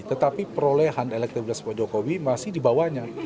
tetapi perolehan elektabilitas pak jokowi masih di bawahnya